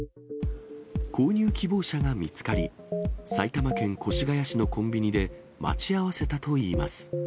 購入希望者が見つかり、埼玉県越谷市のコンビニで、待ち合わせたといいます。